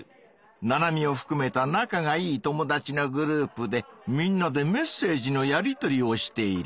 ナナミをふくめた仲がいい友達のグループでみんなでメッセージのやり取りをしている。